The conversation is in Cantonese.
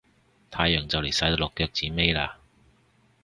太陽就嚟晒到落腳子尾喇